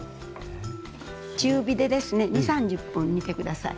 中火でですね２０３０分煮て下さい。